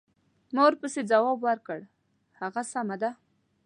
ما ورپسې ځواب ورکړ: هغه سمه ده.